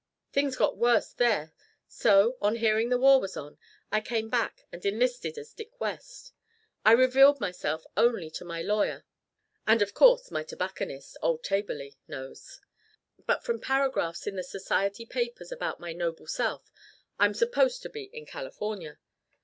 Things got worse there, so, on hearing the war was on, I came back and enlisted as Dick West. I revealed myself only to my lawyer; and, of course, my tobacconist old Taberley knows. But from paragraphs in the Society papers about my noble self I'm supposed to be in California.